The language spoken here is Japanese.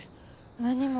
何も。